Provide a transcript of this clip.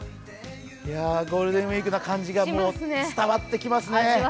ゴールデンウイークな感じが伝わってきますね。